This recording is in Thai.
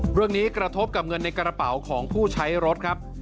กระทบกับเงินในกระเป๋าของผู้ใช้รถครับ